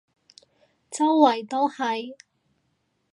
周圍都係